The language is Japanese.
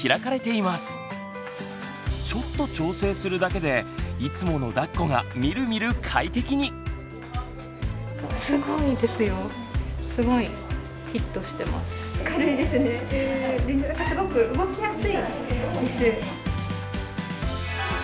ちょっと調整するだけでいつものだっこがみるみる快適に。を教えちゃいます！